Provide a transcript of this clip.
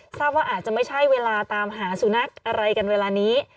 ทราบว่าอาจจะไม่ใช่เวลาตามหาสุนัขอะไรกันเวลานี้